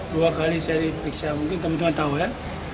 dua kali saya diperiksa mungkin teman teman tahu ya